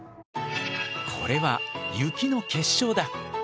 これは雪の結晶だ。